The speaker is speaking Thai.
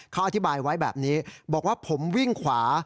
เขาอธิบายไว้แบบนี้บอกว่าผมวิ่งขวา